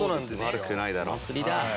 悪くないだろう。